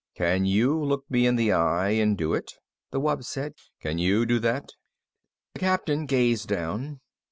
"Can you look me in the eye and do it?" the wub said. "Can you do that?" The Captain gazed down.